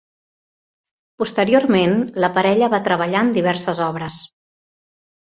Posteriorment, la parella va treballar en diverses obres.